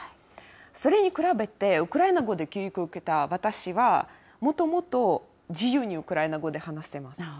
それに比べて、ウクライナ語で教育を受けた私は、もともと自由にウクライナ語で話せます。